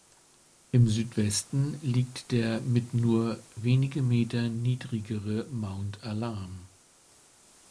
Im Südwesten liegt der mit nur wenige Meter niedrigere Mount Alarm.